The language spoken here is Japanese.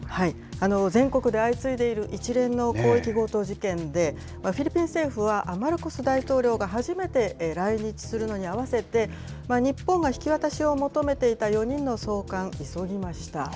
全国で相次いでいる一連の広域強盗事件で、フィリピン政府は、マルコス大統領が初めて来日するのに合わせて、日本が引き渡しを求めていた４人の送還、急ぎました。